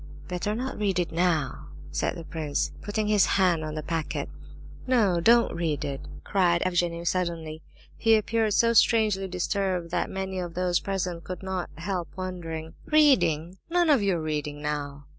"Better not read it now," said the prince, putting his hand on the packet. "No, don't read it!" cried Evgenie suddenly. He appeared so strangely disturbed that many of those present could not help wondering. "Reading? None of your reading now!"